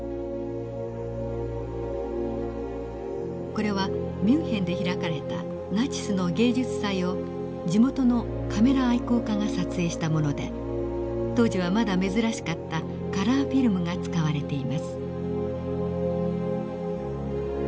これはミュンヘンで開かれたナチスの芸術祭を地元のカメラ愛好家が撮影したもので当時はまだ珍しかったカラーフィルムが使われています。